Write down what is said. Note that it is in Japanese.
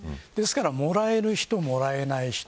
もらえる人、もらえない人。